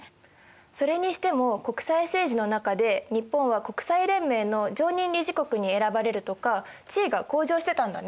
それにしても国際政治の中で日本は国際連盟の常任理事国に選ばれるとか地位が向上してたんだね。